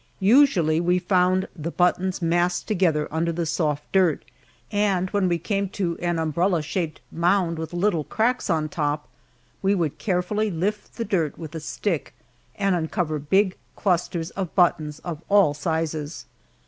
Usually we found the buttons massed together under the soft dirt, and when we came to an umbrella shaped mound with little cracks on top, we would carefully lift the dirt with a stick and uncover big clusters of buttons of all sizes.